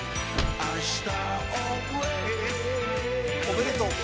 おめでとう。